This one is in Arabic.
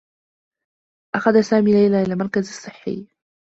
أخذ سامي ليلى إلى المركز الصّحّي.